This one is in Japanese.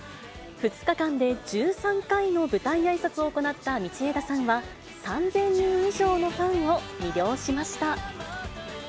２日間で１３回の舞台あいさつを行った道枝さんは、３０００人以上のファンを魅了しました。